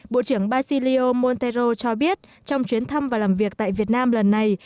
bộ trưởng bacilio montero cho biết trong chuyến thăm và làm việc tại việt nam lần này